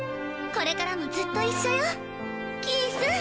これからもずっと一緒よキース。